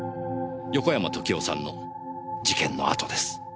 横山時雄さんの事件の後です。